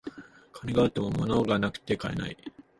金があっても物がなくて買えない